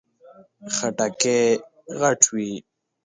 خټکی غټ وي.